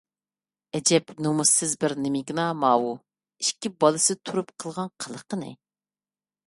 ئەجەب نومۇسسىز بىر نېمىكىنا ماۋۇ، ئىككى بالىسى تۇرۇپ قىلغان قىلىقىنى!